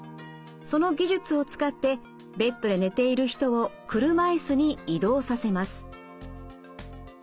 その技術を使ってベッドで寝ている人を車イスに移動させます。